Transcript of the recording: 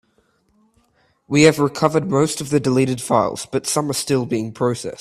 We have recovered most of the deleted files, but some are still being processed.